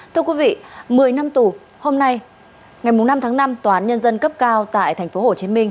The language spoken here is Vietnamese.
thưa quý vị một mươi năm tù hôm nay ngày năm tháng năm tòa án nhân dân cấp cao tại tp hcm